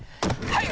はい！